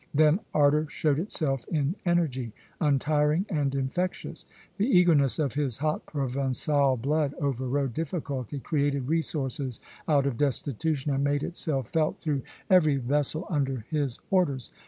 Then ardor showed itself in energy, untiring and infectious. The eagerness of his hot Provençal blood overrode difficulty, created resources out of destitution, and made itself felt through every vessel under his orders.